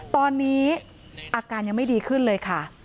ตอนนี้อาการยังไม่ดีขึ้นเลยค่ะ